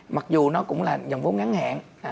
mặc dù nó cũng là dòng vốn ngắn hẹn